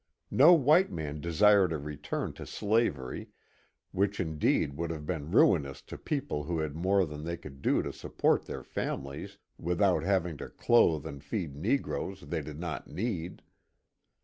No white man desired a return to slavery, which indeed would have been ruinous to people who had more than they could do to support their families without having to clothe and feed negroes they did not need.